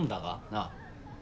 なあ？